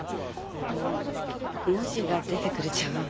あの文字が出てくる茶わんは。